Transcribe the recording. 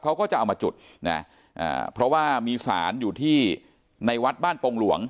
เขาก็จะเอามาจุดนะอ่าเพราะว่ามีสารอยู่ที่ในวัดบ้านปงหลวง